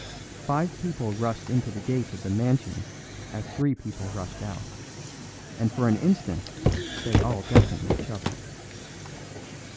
Five people rushed into the gate of the mansions as three people rushed out, and for an instant they all deafened each other.